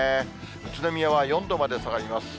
宇都宮は４度まで下がります。